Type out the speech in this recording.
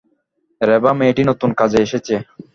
রেবা মেয়েটি নতুন কাজে এসেছে।